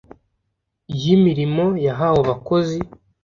y imirimo yahawe abakozi